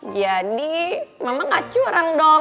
jadi mama gak curang dong